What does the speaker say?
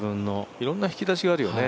いろんな引き出しがあるよね。